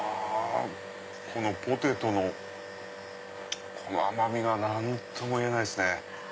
ポテトのこの甘みが何とも言えないですね。